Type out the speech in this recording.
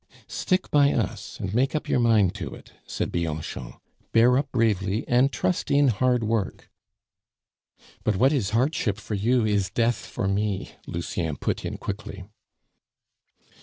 "Stick by us, and make up your mind to it," said Bianchon. "Bear up bravely, and trust in hard work." "But what is hardship for you is death for me," Lucien put in quickly.